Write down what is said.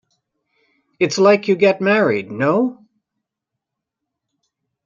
It's like you get married, no?